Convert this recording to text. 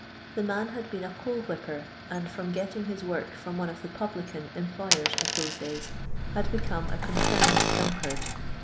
The man had been a coal whipper, and, from getting his work from one of the publican employers in those days, had become a confirmed drunkard.